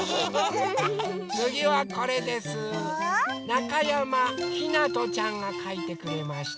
なかやまひなとちゃんがかいてくれました。